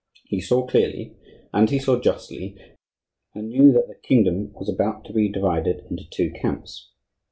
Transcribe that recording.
He saw clearly, and he saw justly, and knew that the kingdom was about to be divided into two camps.